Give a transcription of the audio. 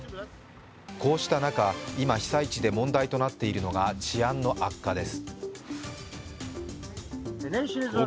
こうした中、今、被災地で問題となっているのが治安の悪化です。